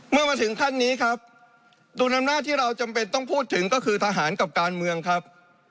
เมื่อมาถึงขั้นนี้ครับดุลอำนาจที่เราจำเป็นต้องพูดถึงก็คือทหารกับการเมืองครับ